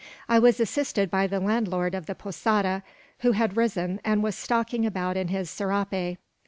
I was assisted by the landlord of the posada, who had risen, and was stalking about in his serape.